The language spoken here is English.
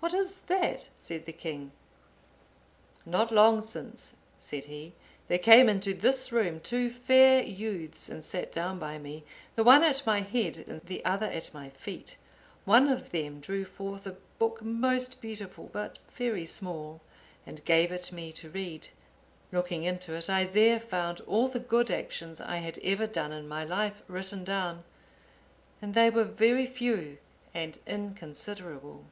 "What is that?" said the king. "Not long since," said he, "there came into this room two fair youths, and sat down by me, the one at my head, and the other at my feet. One of them drew forth a book most beautiful, but very small, and gave it me to read; looking into it, I there found all the good actions I had ever done in my life written down, and they were very few and inconsiderable.